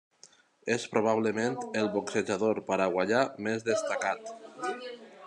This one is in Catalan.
És probablement el boxejador paraguaià més destacat.